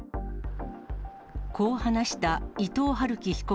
こう話した伊藤龍稀被告